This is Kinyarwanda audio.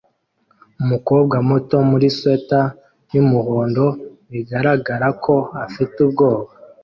Umukobwa muto muri swater yumuhondo bigaragara ko afite ubwoba